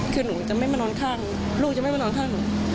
คือหนูจะไม่มานอนข้างลูกจะไม่มานอนข้างหนู